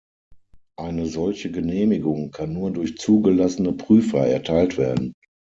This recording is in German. Eine solche Genehmigung kann nur durch zugelassene Prüfer erteilt werden.